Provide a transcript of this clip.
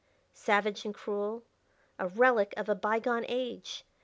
Savage and cruel a relic of a bygone age!